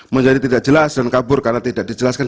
menjadi tidak jelas dan kabur karena tidak dijelaskan